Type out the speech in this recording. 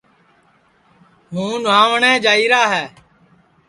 ہُوں نُھاوٹؔیں جائیرا ہے